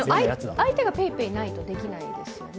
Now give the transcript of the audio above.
相手がＰａｙＰａｙないとできないですよね。